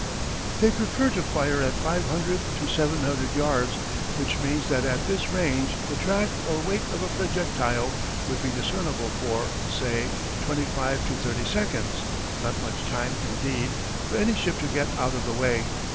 They prefer to fire at 500 to 700 yards, which means that at this range the track or "wake" of a projectile would be discernible for, say, twenty five to thirty seconds not much time, indeed, for any ship to get out of the way.